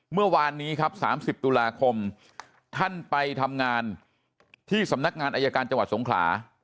เมื่อวานนี้ครับ๓๐ตุลาคมท่านไปทำงานที่สำนักงานอายการจังหวัดสงขลา